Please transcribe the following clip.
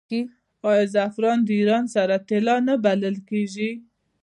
آیا زعفران د ایران سره طلا نه بلل کیږي؟